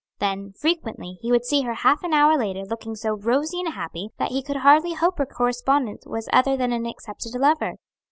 Then frequently he would see her half an hour later looking so rosy and happy, that he could hardly hope her correspondent was other than an accepted lover.